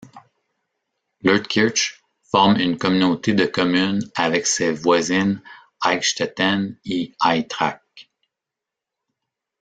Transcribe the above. Leutkirch forme une communauté de communes avec ses voisines Aichstetten et Aitrach.